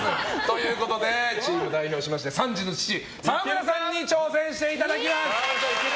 チームを代表して３児の父・沢村さんに挑戦していただきます。